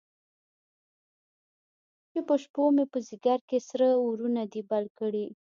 چې په شپومې، په ځیګر کې سره اورونه دي بل کړی